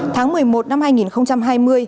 tháng một mươi một năm hai nghìn hai mươi